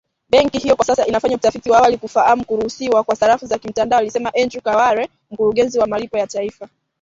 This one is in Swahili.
Benki hiyo kwa sasa inafanya utafiti wa awali kufahamu kuruhusiwa kwa sarafu za kimtandao alisema Andrew Kaware mkurugenzi wa malipo ya taifa